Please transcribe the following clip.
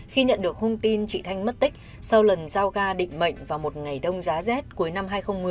khi nhận được hôn tin chị thanh mất tích sau lần giao gà định mệnh vào một ngày đông giá z cuối năm hai nghìn một mươi